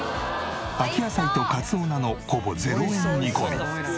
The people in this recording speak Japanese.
秋野菜とかつお菜のほぼ０円煮込み。